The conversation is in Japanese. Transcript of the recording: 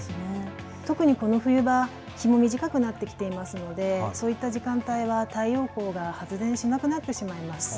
特にこの冬は日も短くなってきていますので、そういった時間帯は太陽光が発電しなくなってしまいます。